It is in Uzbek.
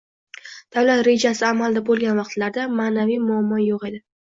Davlat rejasi amalda bo‘lgan vaqtlarda ma’naviy muammo yo‘q edi